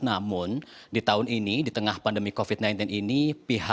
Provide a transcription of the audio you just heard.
namun di tahun ini di tengah pandemi covid sembilan belas ini